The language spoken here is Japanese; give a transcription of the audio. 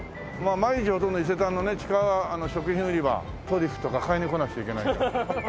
毎日ほとんど伊勢丹のね地下食品売り場トリュフとか買いに来なくちゃいけないのよ。